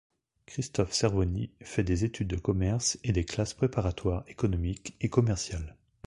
Christophe Cervoni fait des études de commerce et des classes préparatoires économiques et commerciales.